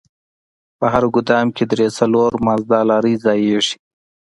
په هر ګودام کښې درې څلور مازدا لارۍ ځايېږي.